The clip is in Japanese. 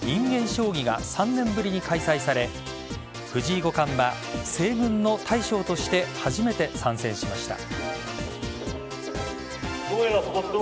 将棋が３年ぶりに開催され藤井五冠は西軍の大将として初めて参戦しました。